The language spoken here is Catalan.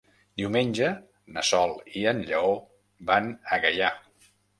Diumenge na Sol i en Lleó van a Gaià.